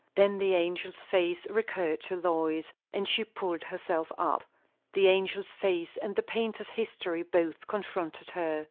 Then the angel's face recurred to Lois, and she pulled herself up. The angel's face and the painter's history both confronted her.